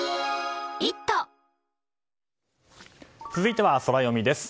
続いてはソラよみです。